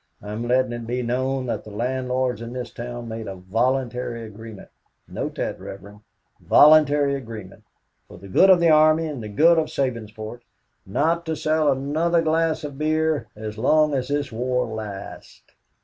I'm letting it be known that the landlords in this town made a voluntary agreement note that, Reverend, voluntary agreement, for the good of the army and the good of Sabinsport, not to sell another glass of beer as long as this war lasts.